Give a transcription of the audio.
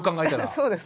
そうです。